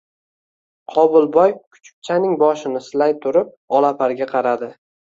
Qobilboy kuchukchaning boshini silay turib, Olaparga qaradi